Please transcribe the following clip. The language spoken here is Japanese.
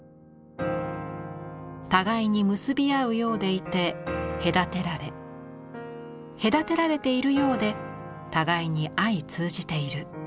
互いに結び合うようでいて隔てられ隔てられているようで互いに相通じている。